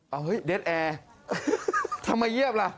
เอาเฮ้ยเดสแอร์ทำไมเงียบล่ะ